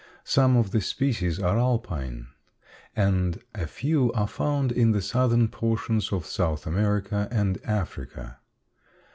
Some of the species are Alpine, and a few are found in the southern portions of South America and Africa.